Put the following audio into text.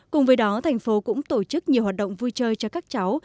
cùng với đó thành phố cũng tổ chức nhiều hoạt động vui chơi cho các cháu